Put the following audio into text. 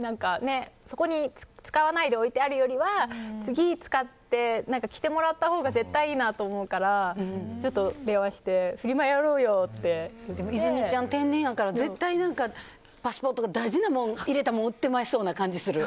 そこに使わないで置いてあるよりは次使って、着てもらったほうが絶対いいなと思うからちょっと電話して泉ちゃん、天然やから絶対、パスポートとか大事なもの入れたまま持ってきそうな感じする。